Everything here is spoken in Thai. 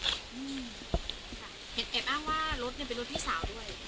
เห็นแอ้ปอ้องลดเนี่ยนี่ที่เป็นพี่สาวด้วย